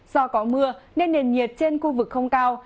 do có mưa nên nền nhiệt trên khu vực không cao